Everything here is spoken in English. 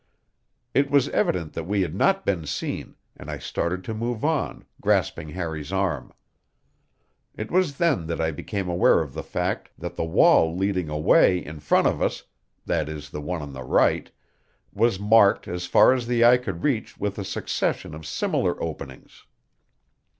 It was evident that we had not been seen, and I started to move on, grasping Harry's arm. It was then that I became aware of the fact that the wall leading away in front of us that is, the one on the right was marked as far as the eye could reach with a succession of similar openings.